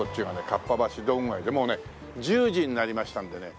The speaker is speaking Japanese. かっぱ橋道具街でもうね１０時になりましたんでね。